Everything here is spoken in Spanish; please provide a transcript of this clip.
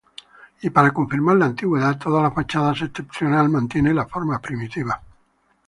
Y para confirmar la antigüedad, toda la fachada septentrional mantiene las formas primitivas.